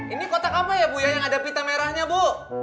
ini kotak apa ya bu ya yang ada pita merahnya bu